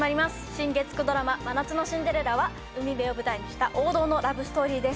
新月９ドラマ『真夏のシンデレラ』は海辺を舞台にした王道のラブストーリーです。